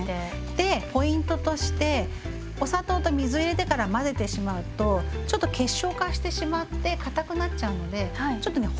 でポイントとしてお砂糖と水を入れてから混ぜてしまうとちょっと結晶化してしまってかたくなっちゃうのでちょっとね